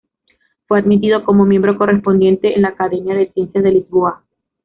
Fue admitido como miembro correspondiente en la Academia de Ciencias de Lisboa.